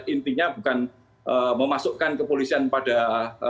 intinya bukan memasukkan kepolisian pada